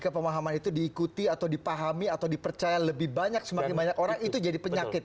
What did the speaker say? pemahaman itu diikuti atau dipahami atau dipercaya lebih banyak semakin banyak orang itu jadi penyakit